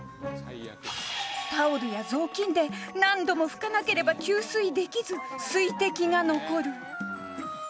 タオルや雑巾で何度も拭かなければ吸水できず水滴が残る